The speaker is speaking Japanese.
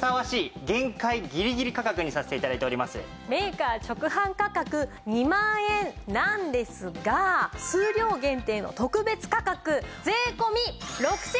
今回はメーカー直販価格２万円なんですが数量限定の特別価格税込６９８０円です。